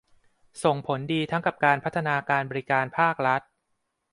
ส่งผลดีทั้งกับการพัฒนาบริการภาครัฐ